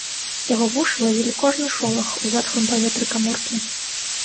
Яго вушы лавілі кожны шолах у затхлым паветры каморкі.